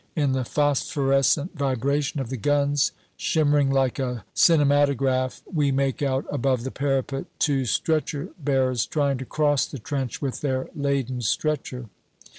In the phosphorescent vibration of the guns, shimmering like a cinematograph, we make out above the parapet two stretcher bearers trying to cross the trench with their laden stretcher.